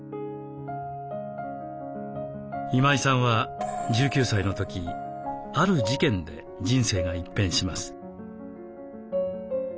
今井さんは１９歳の時ある事件で人生が一変します。